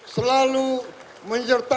selalu menyertai perjuangan kita